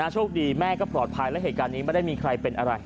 โชคดีแม่ก็ปลอดภัยและเหตุการณ์นี้ไม่ได้มีใครเป็นอะไร